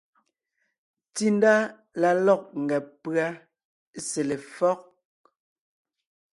Tsindá la lɔ̂g ngàb pʉ́a sele éfɔ́g.